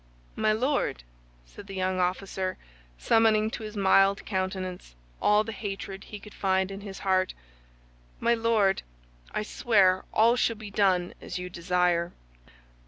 "My Lord," said the young officer, summoning to his mild countenance all the hatred he could find in his heart, "my Lord, I swear all shall be done as you desire."